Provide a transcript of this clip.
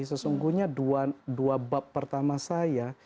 sesungguhnya dua bab pertama saya